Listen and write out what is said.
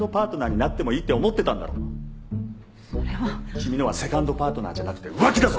君のはセカンドパートナーじゃなくて浮気だぞ！